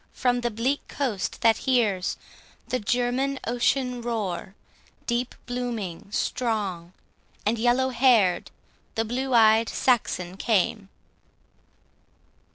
from the bleak coast that hears The German Ocean roar, deep blooming, strong, And yellow hair'd, the blue eyed Saxon came.